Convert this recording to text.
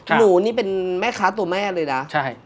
หนูนี่เป็นแม่ค้าตัวแม่เลยนะ